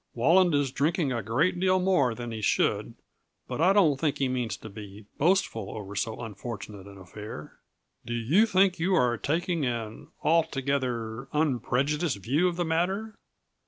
Walland is drinking a great deal more than he should, but I don't think he means to be boastful over so unfortunate an affair. Do you think you are taking an altogether unprejudiced view of the matter?